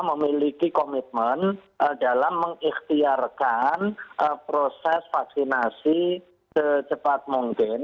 memiliki komitmen dalam mengikhtiarkan proses vaksinasi secepat mungkin